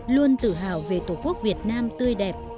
luôn tự hào về tổ quốc việt nam tươi đẹp